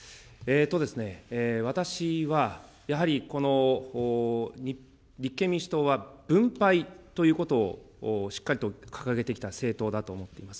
私は、やはりこの立憲民主党は分配ということをしっかりと掲げてきた政党だと思っています。